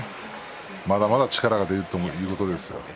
まだまだ力が出るということです。